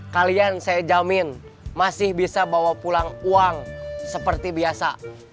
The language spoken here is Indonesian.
kalian saya jamin masih bisa bawa pulang uang seperti biasa